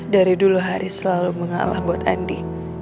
dari dulu hari selalu mengalah buat andi